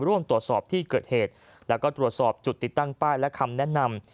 ร่วมตรวจสอบที่เกิดเหตุแล้วก็ตรวจสอบจุดติดตั้งป้ายและคำแนะนำ